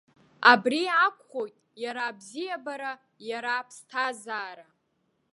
Абри акәхоит иара абзиабара, иара аԥсҭазаара.